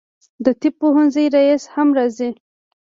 د طب پوهنځي رییسه هم راځي.